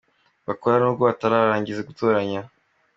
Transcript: bakora nubwo batararangiza Gutoranya.